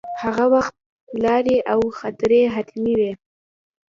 هغه وخت لارې او خطرې حتمې وې.